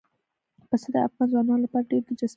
پسه د افغان ځوانانو لپاره ډېره دلچسپي لري.